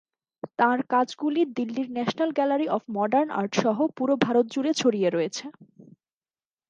তাঁর কাজগুলি দিল্লির national gallery of modern art সহ পুরো ভারত জুড়ে ছড়িয়ে রয়েছে।